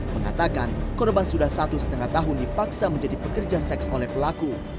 mengatakan korban sudah satu setengah tahun dipaksa menjadi pekerja seks oleh pelaku